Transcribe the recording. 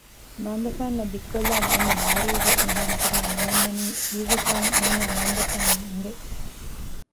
މައިންބަފައިންނަށް ދިއްކޮލާނެ އެންމެ ލާރިއެއްވެސް ނިހާން އަތުގާ ނޯންނަނީ ކީއްވެކަން އޭނާ މައިންބަފައިންނަށް އެނގެ